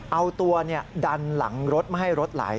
เอาตัวดันหลังรถไม่ให้รถไหล